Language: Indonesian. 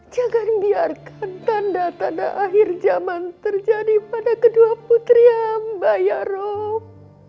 jangan biarkan tanda tanda akhir jaman terjadi pada kedua putria mbak yarob